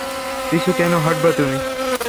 পিছু কেন হটবা তুমি?